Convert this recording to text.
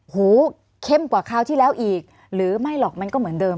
หูเข้มกว่าคราวที่แล้วอีกหรือไม่หรอกมันก็เหมือนเดิม